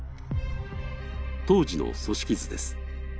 当時の組織図です。